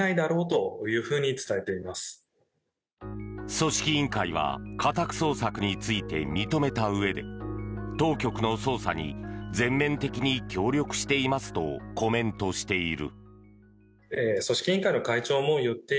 組織委員会は家宅捜索について認めたうえで当局の捜査に全面的に協力していますとコメントしている。